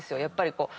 やっぱり。